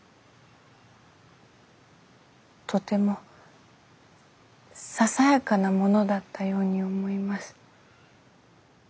とてもささやかなものだったように思います。